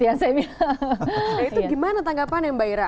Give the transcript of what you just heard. itu gimana tanggapan yang mbak ira